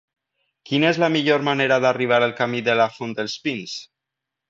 Quina és la millor manera d'arribar al camí de la Font dels Pins?